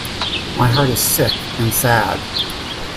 My heart is sick and sad.